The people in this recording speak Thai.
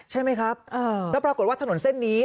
ใช่ไหมครับแล้วปรากฏว่าถนนเส้นนี้